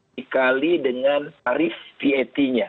dikali dengan tarif vat nya